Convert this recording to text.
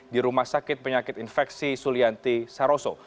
di rumah sakit penyakit infeksi sulianti saroso